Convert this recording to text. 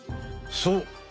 そう！